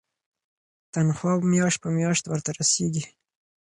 تنخوا میاشت په میاشت ورته رسیږي.